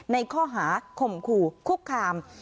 ในข้อหาข่มขู่คุกคาม